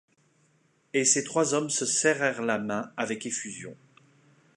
Et ces trois hommes se serrèrent la main avec effusion.